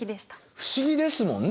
不思議ですもんね。